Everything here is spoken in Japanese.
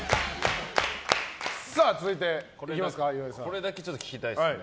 これだけ聞きたいですね。